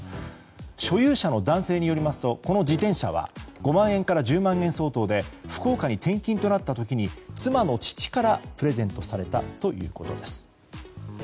所有者の男性によりますとこの自転車は５万円から１０万円相当で福岡に転勤となった時に妻の父からプレゼントされたということです。